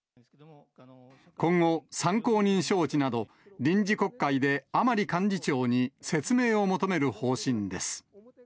今後、参考人招致など、臨時国会で甘利幹事長に説明を求める方針です。